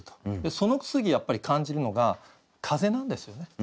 その次やっぱり感じるのが風なんですよね。